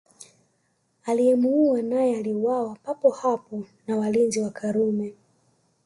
Aliyemuua naye aliuawa papo hapo na walinzi wa Karume